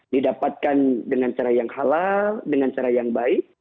didapatkan dengan cara yang halal dengan cara yang baik